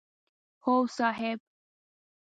هو صاحب!